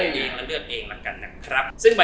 เองแล้วเลือกเองแล้วกันนะครับ